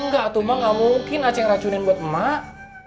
enggak tuh mak gak mungkin aceh racunin buat emak